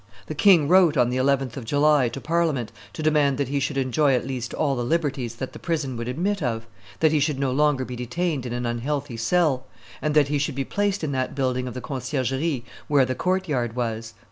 The king wrote on the 11th of July to Parliament to demand that he should enjoy at least all the liberties that the prison would admit of, that he should no longer be detained in an unhealthy cell, and that he should be placed in that building of the Conciergerie where the court yard was.